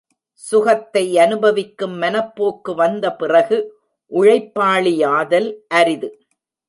சுகத்தை அனுபவிக்கும் மனப்போக்கு வந்த பிறகு உழைப்பாளியாதல் அரிது.